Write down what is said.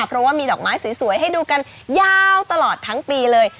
เพราะว่ามีดอกไม้สวยให้ดูกันยาวตลอดทั้งปีเลย